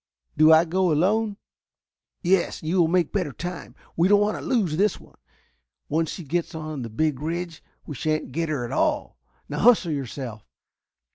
"Do I go alone?" "Yes, you will make better time. We don't want to lose this one. Once she gets on the Big Ridge we shan't get her at all. Now hustle yourself.